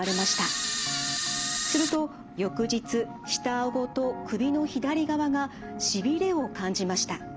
すると翌日下顎と首の左側がしびれを感じました。